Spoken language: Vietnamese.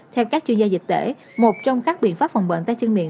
theo các chuyên gia dịch tễ một trong các biện pháp phòng bệnh tay chân miệng